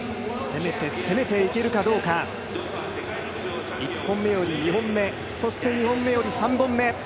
攻めていけるかどうか、１本目より２本目、そして２本目より３本目。